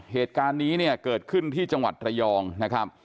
เหตุการณ์นี้เนี่ยเกิดขึ้นที่จังหวัดระยองนะครับ